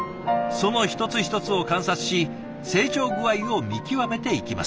その一つ一つを観察し成長具合を見極めていきます。